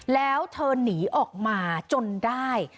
แล้วเธอหนีออกมาจนได้